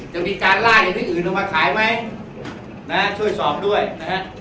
จะมีการไล่อย่างที่อื่นเอามาขายไหมนะฮะช่วยสอบด้วยนะฮะ